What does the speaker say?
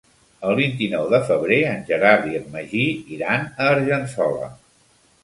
El vint-i-nou de febrer en Gerard i en Magí iran a Argençola.